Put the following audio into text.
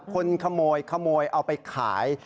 คนขโมยเอาไปขาย